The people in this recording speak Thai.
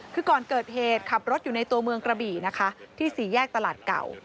คือก่อนเกิดเหตุขับรถอยู่ในตัวเมืองกระบี่นะคะที่สี่แยกตลาดเก่า